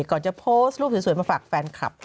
จะโพสต์รูปสวยมาฝากแฟนคลับ